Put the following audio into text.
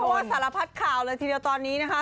เพราะว่าสารพัดข่าวเลยทีเดียวตอนนี้นะคะ